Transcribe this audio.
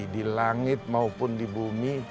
di langit maupun di bumi